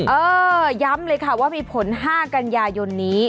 เออย้ำเลยค่ะว่ามีผล๕กันยายนนี้